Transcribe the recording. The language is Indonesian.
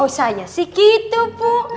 mausanya sih gitu bu